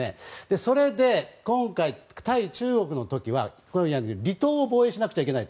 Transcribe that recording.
それで今回、対中国の時は離島を防衛しないといけないと。